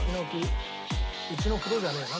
うちの風呂じゃねえよな